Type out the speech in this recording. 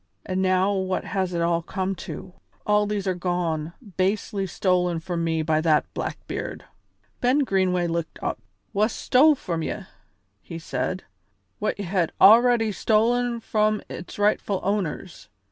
And now what has it all come to? All these are gone, basely stolen from me by that Blackbeard." Ben Greenway looked up. "Wha stole from ye," he said, "what ye had already stolen from its rightful owners.